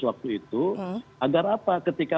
waktu itu agar apa ketika